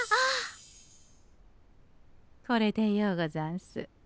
これでようござんす。